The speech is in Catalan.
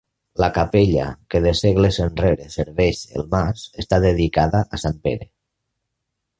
La capella que de segles enrere serveix el mas, està dedicada a Sant Pere.